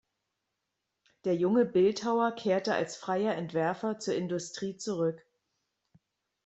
Der junge Bildhauer kehrte als freier Entwerfer zur Industrie zurück.